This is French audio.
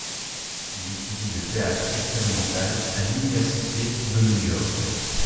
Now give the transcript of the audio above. Il étudie le théâtre expérimental à l'université de New York.